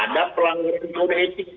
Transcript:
ada pelanggaran kode etik